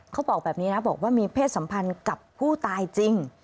เขาบอกแบบนี้นะบอกว่ามีเพศสัมพันธ์กับผู้ตายจริง